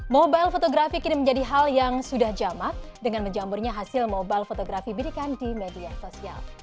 mobile fotografi kini menjadi hal yang sudah jamak dengan menjamburnya hasil mobile fotografi bidikan di media sosial